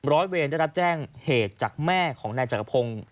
ร้อยเวรได้รับแจ้งเหตุจากแม่ของนายจักรพงศ์